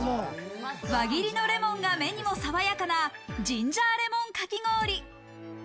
輪切りのレモンが目にもさわやかなジンジャーレモンかき氷。